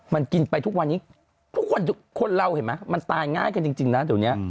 มันกินไปทุกวันนี้ทุกคนคนเราเห็นไหมมันตายง่ายกันจริงนะเดี๋ยวนี้